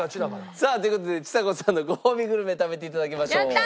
さあという事でちさ子さんのごほうびグルメ食べて頂きましょう。